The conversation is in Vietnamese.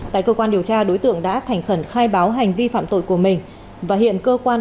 tại cơ quan điều tra đối tượng đã thành khẩn khai báo hành vi phạm tội của mình và hiện cơ quan